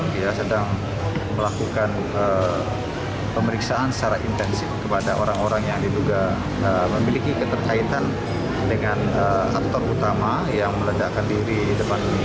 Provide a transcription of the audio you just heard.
dia sedang melakukan pemeriksaan secara intensif kepada orang orang yang diduga memiliki keterkaitan dengan aktor utama yang meledakkan diri di depan ini